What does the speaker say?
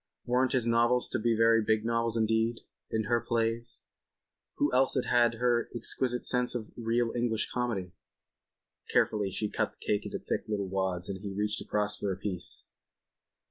Weren't his novels to be very big novels indeed? And her plays. Who else had her exquisite sense of real English Comedy? ... Carefully she cut the cake into thick little wads and he reached across for a piece.